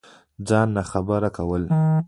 ځان ناخبره كول